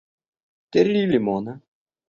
три лимона